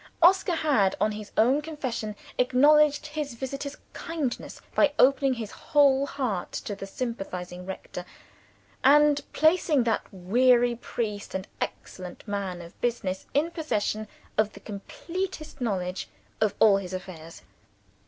Oscar had, on his own confession, acknowledged his visitor's kindness, by opening his whole heart to the sympathizing rector, and placing that wary priest and excellent man of business in possession of the completest knowledge of all his affairs.